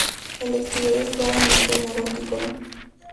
El exterior es claramente neogótico.